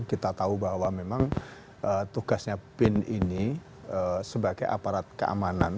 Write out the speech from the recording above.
kita tahu bahwa memang tugasnya bin ini sebagai aparat keamanan